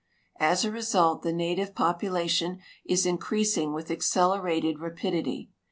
As a result the native population is increasing with accelerated rapidity.